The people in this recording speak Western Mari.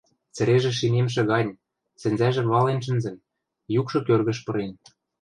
Цӹрежӹ шимемшӹ гань, сӹнзӓжӹ вален шӹнзӹн, юкшы кӧргӹш пырен.